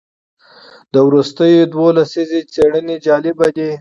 د وروستیو دوو لسیزو څېړنې جالبه دي.